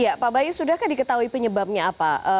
ya pak bayu sudahkah diketahui penyebabnya apa